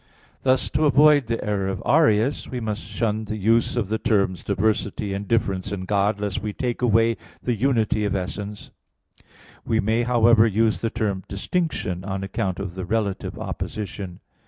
Thus, to avoid the error of Arius we must shun the use of the terms diversity and difference in God, lest we take away the unity of essence: we may, however, use the term "distinction" on account of the relative opposition.